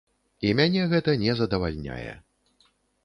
І мяне гэта не задавальняе.